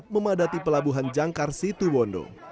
memadati pelabuhan jangkar situ bondo